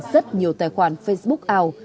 rất nhiều tài khoản facebook ảo